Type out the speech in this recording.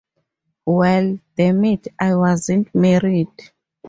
Well, damn it, I wasn't married.